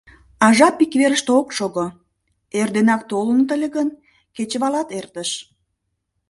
А жап ик верыште ок шого: эрденак толыныт ыле гын, кечывалат эртыш.